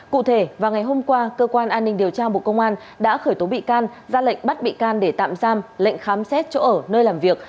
cụ thể vào ngày hôm qua cơ quan an ninh điều tra bộ công an đã khởi tố bị can ra lệnh bắt bị can để tạm giam lệnh khám xét chỗ ở nơi làm việc